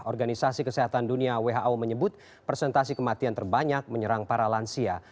organisasi kesehatan dunia who menyebut presentasi kematian terbanyak menyerang para lansia